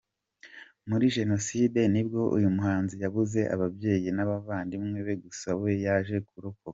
Muri Jenoside nibwo uyu muhanzi yabuze ababyeyi n’abavandimwe be gusa we yaje kurokoka.